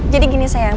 jadi gini sayang